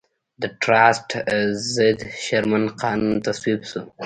د ټراست ضد شرمن قانون تصویب شو.